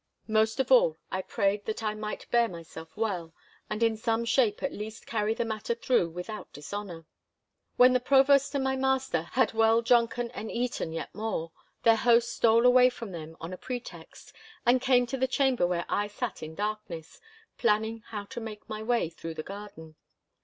Most of all I prayed that I might bear myself well, and in some shape at least carry the matter through without dishonour. When the Provost and my master had well drunken and eaten yet more, their host stole away from them on a pretext, and came to the chamber where I sat in darkness, planning how to make my way through the garden.